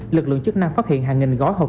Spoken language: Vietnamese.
lực lượng chức năng phát hiện hàng nghìn gói hộp